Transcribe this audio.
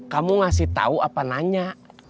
kamu ngasih tahu apa nanya